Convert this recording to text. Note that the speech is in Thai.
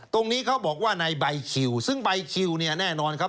ตรงนี้เขาบอกว่าในใบคิวซึ่งใบคิวเนี่ยแน่นอนครับ